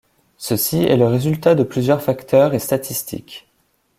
Ceci est le résultat de plusieurs facteurs et statistiques.